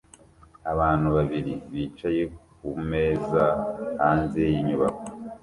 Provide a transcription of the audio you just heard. Abantu babiri bicaye kumeza hanze yinyubako